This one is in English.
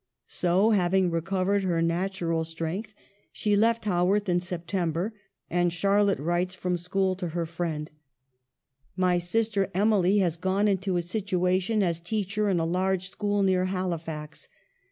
So, having recovered her natural strength, she left Haworth in September, and Charlotte writes from school to her friend :" My sister Emily GOING TO SCHOOL. 8 1 has gone into a situation as teacher in a large school near Halifax.